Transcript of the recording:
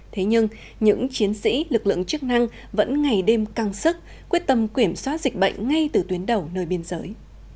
thế nhưng những chiến sĩ lực lượng chức năng vẫn ngày đêm căng sức quyết tâm quyểm soát dịch bệnh ngay từ tuyến đầu nơi biên giới